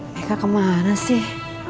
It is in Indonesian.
meka kemana sih